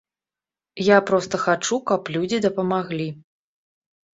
Я проста хачу, каб людзі дапамаглі.